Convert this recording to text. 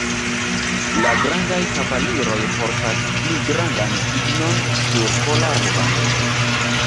La grandaj kavaliroj portas pli grandan signon, sur kola rubando.